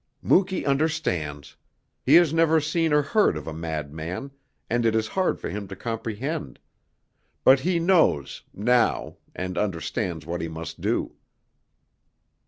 "Muky understands. He has never seen or heard of a madman, and it is hard for him to comprehend. But he knows now, and understands what he must do."